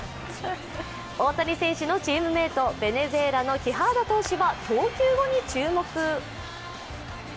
大谷選手のチームメイト、ベネズエラのキハーダ投手は投球後に注目。